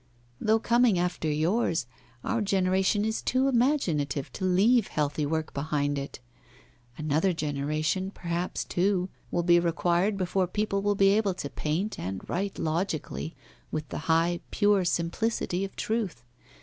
Though coming after yours, our generation is too imaginative to leave healthy work behind it. Another generation, perhaps two, will be required before people will be able to paint and write logically, with the high, pure simplicity of truth.